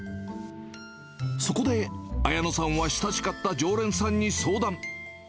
そこで、あやのさんは親しかった常連さんに相談。